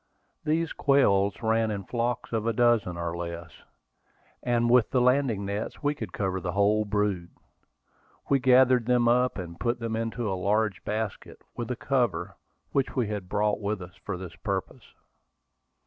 These quails ran in flocks of a dozen or less, and with the landing nets we could cover the whole brood. We gathered them up, and put them into a large basket, with a cover, which we had brought with us for the purpose.